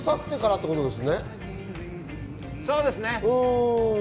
そうです。